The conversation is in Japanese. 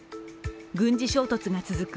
軍事衝突が続く